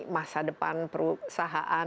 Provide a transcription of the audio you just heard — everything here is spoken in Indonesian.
masa depan perusahaan